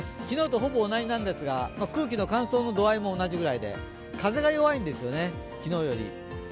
昨日とほぼ同じなんですが空気の乾燥の度合いも同じぐらいで風が弱いんですよね、昨日より。